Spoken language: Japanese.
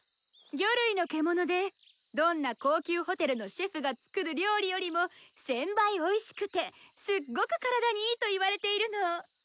魚類の獣でどんな高級ホテルのシェフが作る料理よりも１，０００倍おいしくてすっごく体にいいといわれているの。